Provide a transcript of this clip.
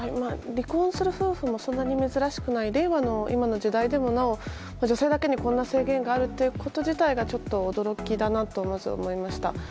離婚する夫婦もそんなに珍しくない令和の今の時代でもなお女性だけにこんな制限があるということ自体がちょっと驚きだとまず思いました。